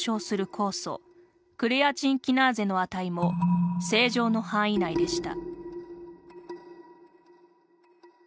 酵素クレアチンキナーゼの値も正常の範囲内でした。